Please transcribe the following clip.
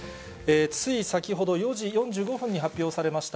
つい先ほど、４時４５分に発表されました